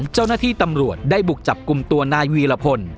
เจ้าหน้าที่ตำรวจได้บุกจับกลุ่มตัวนายวีรพล